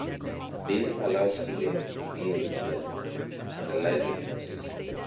This allows students to begin the analyzing process.